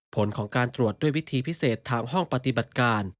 ผลของการตรวจด้วยวิธีพิเศษทางห้องปฏิบัติการ